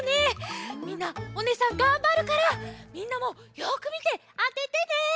みんなおねえさんがんばるからみんなもよくみてあててね！